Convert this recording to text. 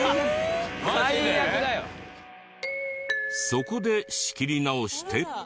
そこで仕切り直して。